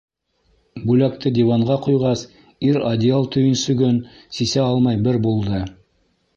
Бүләкте диванға ҡуйғас, ир одеял төйөнсөгөн сисә алмай бер булды.